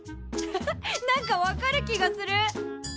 ハハッ何か分かる気がする。